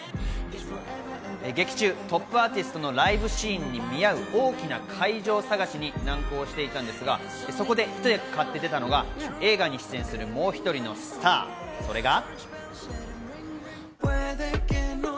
劇中、トップアーティストのライブシーンに見合う大きな会場を探しに難航していたんですが、そこでひと役買って出たのが映画に出演するもう１人のスター、それが。